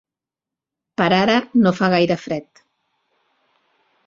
Per ara no fa gaire fred.